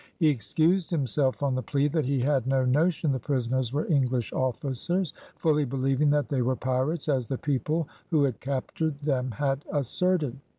He excused himself on the plea that he had no notion the prisoners were English officers, fully believing that they were pirates, as the people who had captured them had asserted.